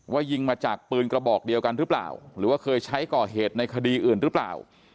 ยิงมาจากปืนกระบอกเดียวกันหรือเปล่าหรือว่าเคยใช้ก่อเหตุในคดีอื่นหรือเปล่า